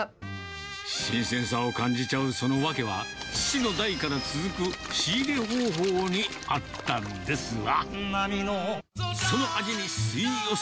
新鮮さを感じちゃうその訳は、父の代から続く仕入れ方法にあったんですわ。